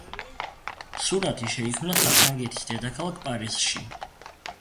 სურათი შეიქმნა საფრანგეთის დედაქალაქ პარიზში.